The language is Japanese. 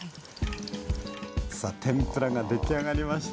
さあ天ぷらができあがりました。